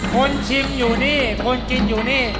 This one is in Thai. คนชิมอยู่นี่คนกินอยู่นี่